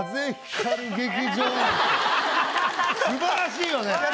すばらしいよね。